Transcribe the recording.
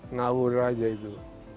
ngawur aja itu